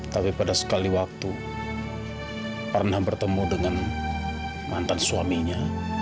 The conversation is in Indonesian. tapi pada sekali waktu pernah bertemu dengan mantan suaminya